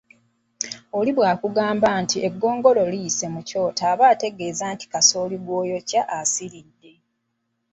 Oli bwakugamba nti eggongolo liyise mu kyoto aba ategeeza nti kasooli gw’oyokya asiridde